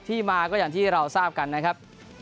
ที่มาก็อย่างที่เราทราบกันนะครับ